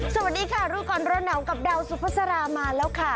สวัสดีค่ะรู้ก่อนร้อนหนาวกับดาวสุภาษามาแล้วค่ะ